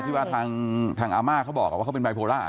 ที่ว่าทางอาม่าเขาบอกว่าเขาเป็นไบโพล่า